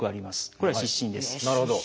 これは「湿疹」です。